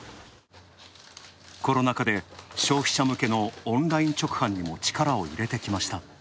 コロナ禍で消費者向けのオンライン直販にも力を入れてきました。